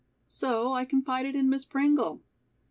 So I confided in Miss Pringle.